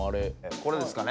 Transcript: これですかね。